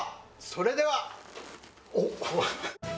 それではおっ。